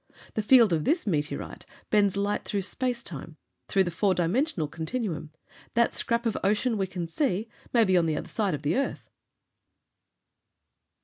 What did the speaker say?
The field of this meteorite bends light through space time, through the four dimensional continuum. That scrap of ocean we can see may be on the other side of the earth."